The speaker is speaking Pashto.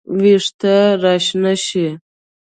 وېښته راشنه شي